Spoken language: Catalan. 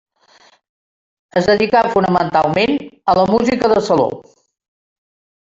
Es dedicà fonamentalment a la música de saló.